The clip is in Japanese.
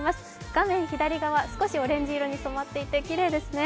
画面左側、少しオレンジ色に染まっていてきれいですね。